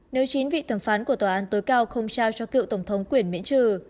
nếu chính vị thẩm phán của tòa án tối cao không trao cho cựu tổng thống quyền miễn trừ